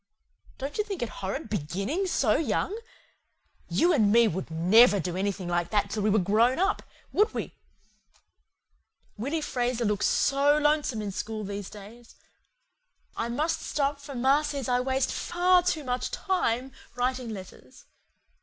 Don't you think it horrid BEGINNING SO YOUNG? YOU AND ME would NEVER do anything like that till we were GROWN UP, would we? Willy Fraser looks SO LONESOME in school these days. I must stop for ma says I waste FAR TOO MUCH TIME writing letters.